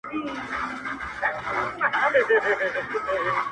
پروت ارمان مي ستا د غېږي ستا د خیال پر سره پالنګ دی,